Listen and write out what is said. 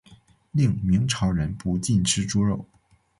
另明朝人不禁吃猪肉。